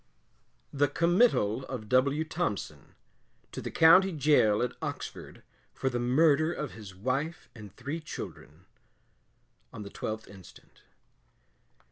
THE COMMITTAL OF W. THOMPSON, To the County Gaol at Oxford for the MURDER OF HIS WIFE AND THREE CHILDREN, On the 12th instant.